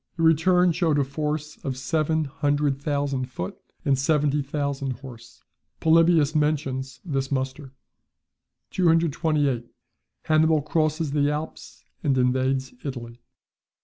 The return showed a force of seven hundred thousand foot, and seventy thousand horse. Polybius mentions this muster. 228. Hannibal crosses the Alps and invades Italy.